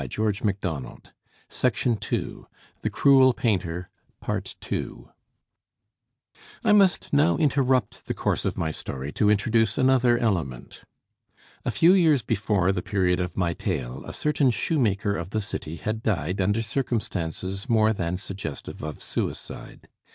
Meantime, for various reasons, he scarcely ever left the house. I must now interrupt the course of my story to introduce another element. A few years before the period of my tale, a certain shoemaker of the city had died under circumstances more than suggestive of suicide.